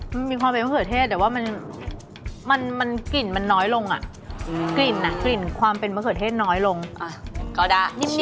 มันมีความเป็นมะเขือเทศแต่ว่ากลิ่นมันน้อยลงนิดนึงข้างในโอเคนะเซฟอร่อยดี